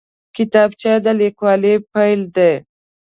کتابچه د لیکوالۍ پیل دی